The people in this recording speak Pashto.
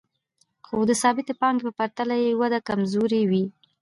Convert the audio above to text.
خو د ثابتې پانګې په پرتله یې وده کمزورې وي